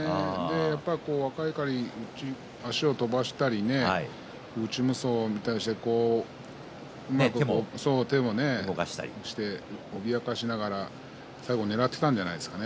やっぱり若碇、足を飛ばしたり内無双に対して手も動かしたり脅かしながら最後ねらっていたんじゃないですか。